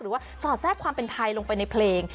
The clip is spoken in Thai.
สอดแทรกความเป็นไทยลงไปในเพลง